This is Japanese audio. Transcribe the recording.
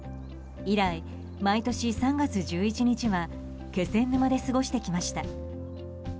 以来、毎年３月１１日は気仙沼で過ごしてきました。